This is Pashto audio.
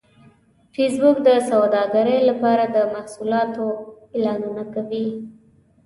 فېسبوک د سوداګرۍ لپاره د محصولاتو اعلانونه کوي